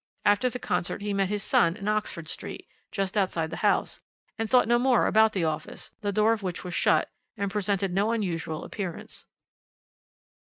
After the concert he met his son in Oxford Street, just outside the house, and thought no more about the office, the door of which was shut, and presented no unusual appearance.